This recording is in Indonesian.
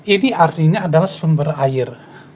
ini artinya adalah sumber air